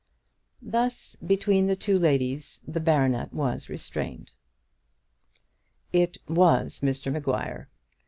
Thus between the two ladies the baronet was restrained. It was Mr Maguire.